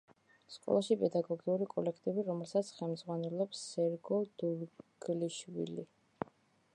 სკოლაში პედაგოგიური კოლექტივი, რომელსაც ხელმძღვანელობს სერგო დურგლიშვილი.